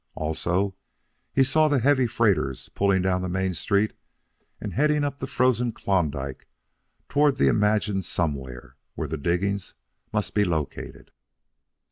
Also he saw the heavy freighters pulling down the main street and heading up the frozen Klondike toward the imagined somewhere where the diggings must be located.